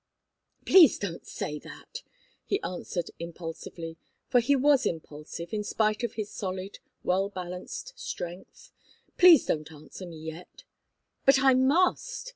"Please don't say that!" he answered, impulsively for he was impulsive, in spite of his solid, well balanced strength. "Please don't answer me yet " "But I must!"